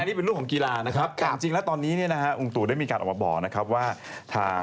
นี่เป็นรูปของกีฬาแต่ตอนนี้รุงตู่มีการออกมาบ่อว่า